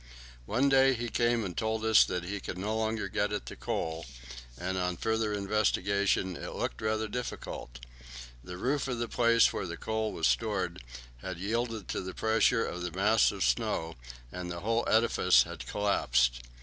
One day he came and told us that he could no longer get at the coal, and on further investigation it looked rather difficult. The roof of the place where the coal was stored had yielded to the pressure of the mass of snow, and the whole edifice had collapsed.